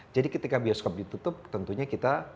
jadi ketika geoscope ditutup tentunya kita